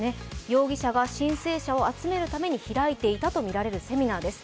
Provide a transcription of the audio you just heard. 容疑者が申請者を集めるために開いていたとみられるセミナーです。